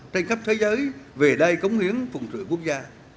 trên khắp thế giới về đây cống hiến phùng trưởng quốc gia